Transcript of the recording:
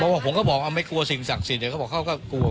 โดยไหมครับว่าเขาเตรียมกันครับ